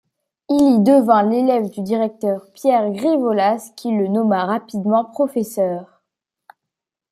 Il y devint l'élève du directeur Pierre Grivolas qui le nomme rapidement professeur.